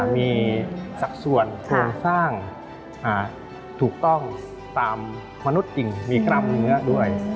มีสัดส่วนโครงสร้างถูกต้องตามมนุษย์จริงมีกรัมเนื้อด้วย